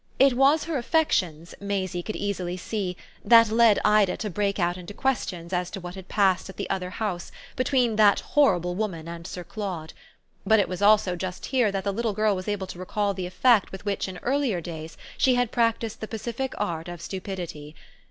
It was her affections, Maisie could easily see, that led Ida to break out into questions as to what had passed at the other house between that horrible woman and Sir Claude; but it was also just here that the little girl was able to recall the effect with which in earlier days she had practised the pacific art of stupidity.